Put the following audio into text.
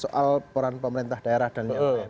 soal peran pemerintah daerah dan yang lain